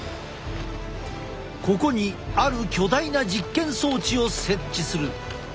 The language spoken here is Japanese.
ここにある巨大な実験装置を設置する。